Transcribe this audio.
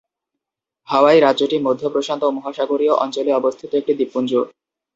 হাওয়াই রাজ্যটি মধ্য-প্রশান্ত মহাসাগরীয় অঞ্চলে অবস্থিত একটি দ্বীপপুঞ্জ।